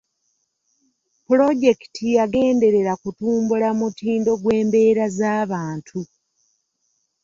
Pulojekiti yagenderera kutumbula mutindo gw'embeera z'abantu.